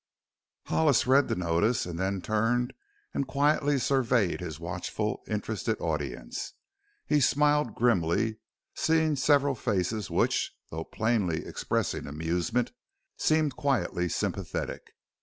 Hollis read the notice and then turned and quietly surveyed his watchful, interested audience. He smiled grimly, seeing several faces which, though plainly expressing amusement, seemed quietly sympathetic.